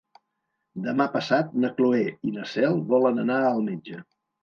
Demà passat na Cloè i na Cel volen anar al metge.